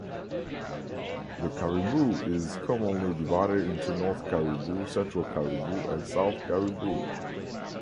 The Cariboo is commonly divided into North Cariboo, Central Cariboo and South Cariboo.